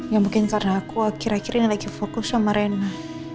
ya mungkin karena aku kira kira ini lagi fokus sama rena